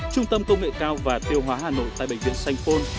trung tâm công nghệ cao và tiêu hóa hà nội tại bệnh viện sanh phôn